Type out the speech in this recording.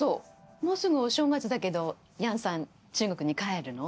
もうすぐお正月だけど楊さん中国に帰るの？